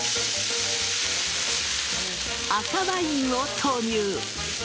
赤ワインを投入。